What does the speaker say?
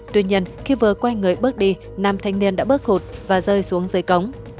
tuy nhiên khi vừa quay người bước đi nam thanh niên đã bước hụt và rơi xuống dưới cống